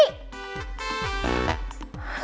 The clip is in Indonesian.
tidak itu terserah